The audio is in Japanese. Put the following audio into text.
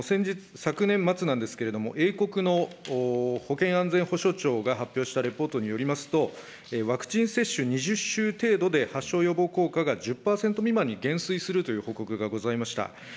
昨年末なんですけれども、英国の保健安全保障庁が発表したレポートによりますと、ワクチン接種２０週程度で、発症予防効果が１０％未満に減衰するという報告がございました。